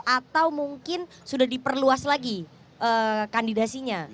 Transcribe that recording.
atau mungkin sudah diperluas lagi kandidasinya